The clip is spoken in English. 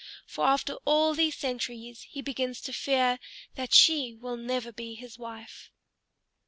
For after all these centuries he begins to fear that she will never be his wife.